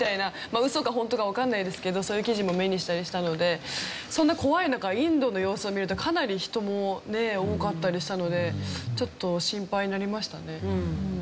ウソかホントかわからないですけどそういう記事も目にしたりしたのでそんな怖い中インドの様子を見るとかなり人もね多かったりしたのでちょっと心配になりましたね。